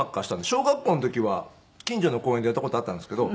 小学校の時は近所の公園でやった事あったんですけど。